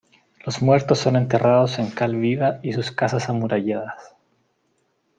Los muertos son enterrados en cal viva y sus casas amuralladas.